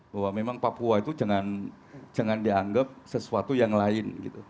bahwa memang papua itu jangan dianggap sesuatu yang lain